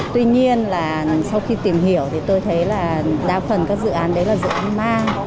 tuy nhiên sau khi tìm hiểu tôi thấy là đa phần các dự án đấy là dự án ma